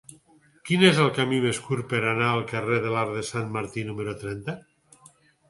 Quin és el camí més curt per anar al carrer de l'Arc de Sant Martí número trenta?